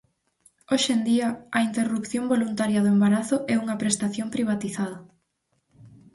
Hoxe en día, a interrupción voluntaria do embarazo é unha prestación privatizada.